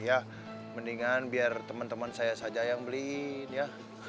ya mendingan biar teman teman saya saja yang beli ya